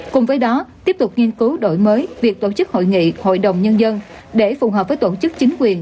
cùng với đó tiếp tục nghiên cứu đổi mới việc tổ chức hội nghị hội đồng nhân dân để phù hợp với tổ chức chính quyền